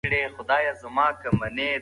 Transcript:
څو پاڼې ولولئ او محتوا یې وګورئ.